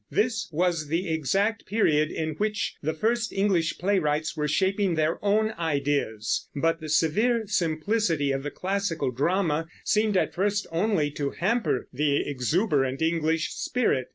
This was the exact period in which the first English playwrights were shaping their own ideas; but the severe simplicity of the classical drama seemed at first only to hamper the exuberant English spirit.